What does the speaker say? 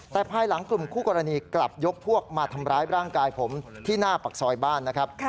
แต่ภายหลังกลุ่มคู่กรณีกลับยกพวกมาทำร้ายร่างกายผมที่หน้าปากซอยบ้านนะครับ